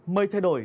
mây thay đổi